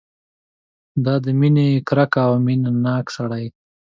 دا د مینې ګرګه او مینه ناک سړی.